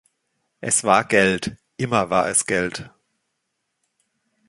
Es war Geld – immer war es Geld.